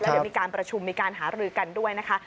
เดี๋ยวมีการประชุมมีการหารือกันด้วยนะคะ